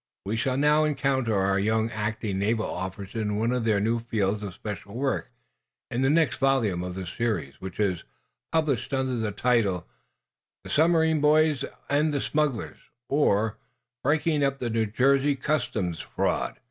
We shall now encounter our young acting naval officers in one of their new fields of special work, in the next volume of this series, which is published under the title: "The Submarine Boys And the Smugglers; Or, Breaking Up the New Jersey Customs Frauds."